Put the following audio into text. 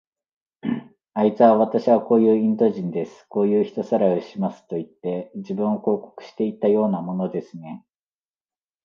あいつは、わたしはこういうインド人です。こういう人さらいをしますといって、自分を広告していたようなものですね。